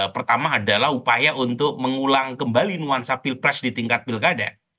pertama adalah upaya untuk mengulang kembali nuansa pilpres di tingkat pilkada